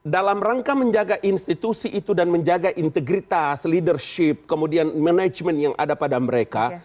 dalam rangka menjaga institusi itu dan menjaga integritas leadership kemudian management yang ada pada mereka